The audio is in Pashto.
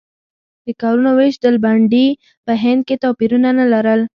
د کارونو وېش ډلبندي په هند کې توپیرونه نه لرل.